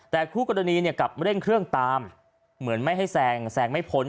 แต่คู่กรณีเนี่ยกลับเร่งเครื่องตามเหมือนไม่ให้แซงแซงไม่พ้น